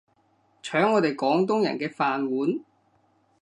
搶我哋廣東人嘅飯碗